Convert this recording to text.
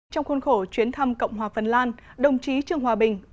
trong khuôn khổ chuyến thăm cộng hòa phần lan đồng chí trương hòa bình